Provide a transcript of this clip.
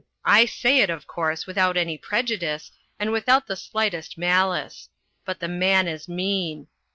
I say it, of course, without any prejudice, and without the slightest malice. But the man is mean.